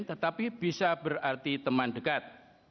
tetapi bisa berarti teman dekat